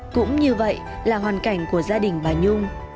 cũng như vậy là hoàn cảnh của gia đình bà nhung